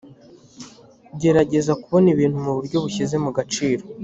gerageza kubona ibintu mu buryo bushyize mu gaciro